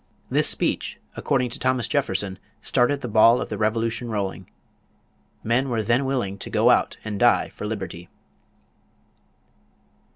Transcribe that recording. This speech, according to Thomas Jefferson, started the ball of the Revolution rolling. Men were then willing to go out and die for liberty.